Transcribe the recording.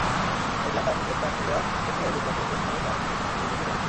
দেখলাম, তার নিকট পাদ্রীরা তেমনিভাবে বসে আছে যেমনিভাবে তাদেরকে ইতিপূর্বে দেখেছি।